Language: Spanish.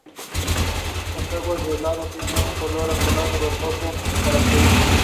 Las aguas del lago tienen un color azulado verdoso característico.